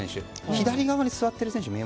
左側に座っている選手。